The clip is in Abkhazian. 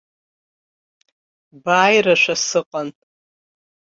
Бааирашәа сыҟан.